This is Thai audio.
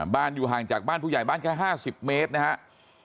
อยู่ห่างจากบ้านผู้ใหญ่บ้านแค่๕๐เมตรนะครับ